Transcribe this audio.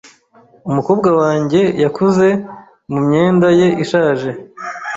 Umukobwa wanjye yakuze mumyenda ye ishaje .